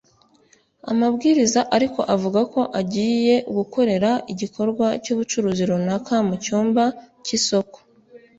Amabwiriza ariko avuga ko ugiye gukorera igikorwa cy’ubucuruzi runaka mu cyumba cy’isoko